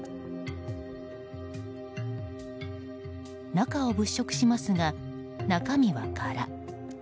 中を物色しますが、中身は空。